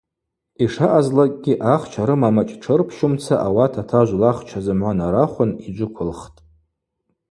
Йшаъазлакӏгьи, ахча рымамачӏ тшырчпумца ауат атажв лахча зымгӏва нарахвын йджвыквылхтӏ.